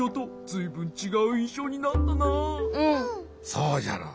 そうじゃろ。